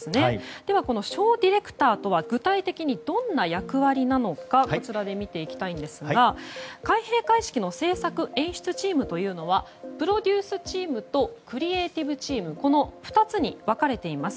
ではこのショーディレクターとは具体的にどんな役割なのか見ていきたいんですが開閉会式の制作演出チームというのはプロデュースチームとクリエーティブチーム２つに分かれています。